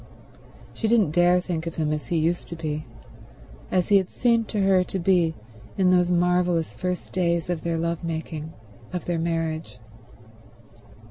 She didn't dare think of him as he used to be, as he had seemed to her to be in those marvelous first days of their love making, of their marriage.